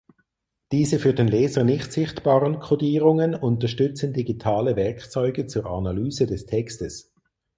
Diese für den Leser nicht sichtbaren Kodierungen unterstützen digitale Werkzeuge zur Analyse des Textes.